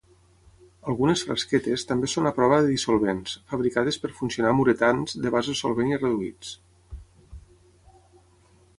Algunes frasquetes també són a prova de dissolvents, fabricades per funcionar amb uretans de base solvent i reduïts.